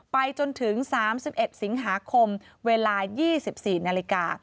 ไปจนถึง๓๑สิงหาคมเวลา๒๔นาฬิกา